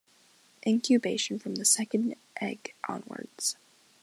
Incubation from the second egg onwards.